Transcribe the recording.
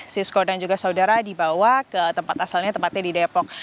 sisko dan juga saudara dibawa ke tempat asalnya tempatnya di depok